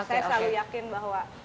saya selalu yakin bahwa